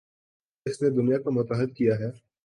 اس نے دنیا کو متحد کیا ہے